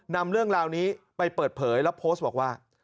นำเรื่องราวนี้ไปเปิดเผยแล้วโพสต์บอกว่า